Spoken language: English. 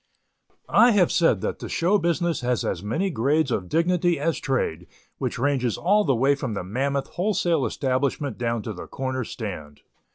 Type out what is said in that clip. I have said that the show business has as many grades of dignity as trade, which ranges all the way from the mammoth wholesale establishment down to the corner stand.